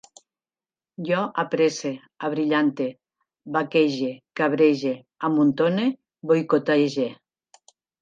Jo apresse, abrillante, baquege, cabrege, amuntone, boicotege